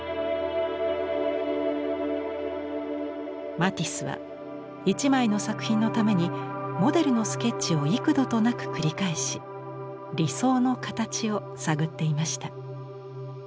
マティスは一枚の作品のためにモデルのスケッチを幾度となく繰り返し理想の形を探っていました。